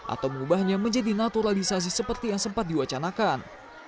atau mengubahnya menjadi naturalisasi seperti yang sempat diwacanakan